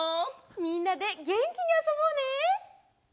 みんなでげんきにあそぼうね！